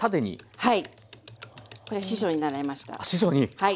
はい。